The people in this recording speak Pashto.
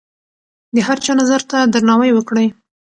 د هر چا نظر ته درناوی وکړئ.